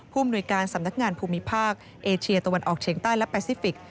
ภูมิหน่วยการสำนักงานภูมิภาคเอเชียตะวันออกเฉียงใต้และแปซิฟิกส